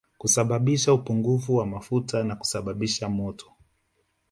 Kusababisha upungufu wa mafuta ya kusambaza moto